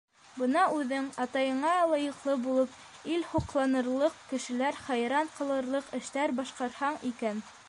Бына үҙең, атайыңа лайыҡлы булып, ил һоҡланырлыҡ, кешеләр хайран ҡалырлыҡ эштәр башҡарһаң икән...